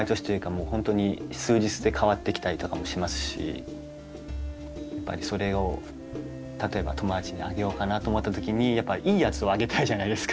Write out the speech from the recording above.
本当に数日で変わってきたりとかもしますしやっぱりそれを例えば友達にあげようかなと思ったときにやっぱりいいやつをあげたいじゃないですか。